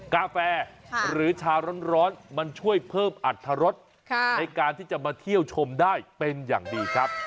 กาแฟหรือชาร้อนมันช่วยเพิ่มอัตรรสในการที่จะมาเที่ยวชมได้เป็นอย่างดีครับ